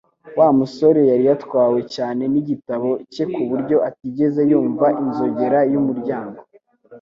Wa musore yari yaratwawe cyane nigitabo cye kuburyo atigeze yumva inzogera yumuryango